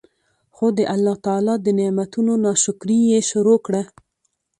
خو د الله تعالی د نعمتونو نا شکري ئي شروع کړه